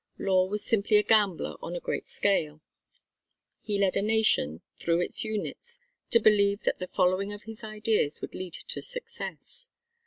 Law was simply a gambler on a great scale. He led a nation, through its units, to believe that the following of his ideas would lead to success.